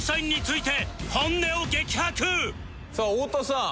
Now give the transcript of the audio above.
さあ太田さん